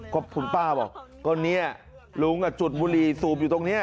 ก็คุณป้าบอกก็เนี่ยลุงจุดบุหรี่สูบอยู่ตรงนี้